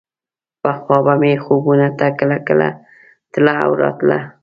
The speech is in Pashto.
پخوا به مې خوبونو ته کله کله تله او راتله.